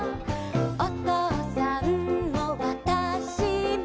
「おとうさんもわたしも」